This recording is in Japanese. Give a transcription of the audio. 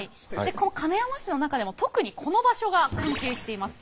この亀山市の中でも特にこの場所が関係しています。